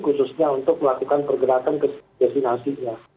khususnya untuk melakukan pergerakan ke desin aslinya